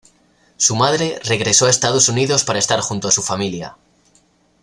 Su madre regresó a Estados Unidos para estar junto a su familia.